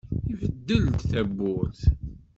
Ibeddel-d tawwurt.